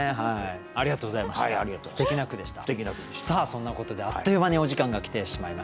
そんなことであっという間にお時間が来てしまいました。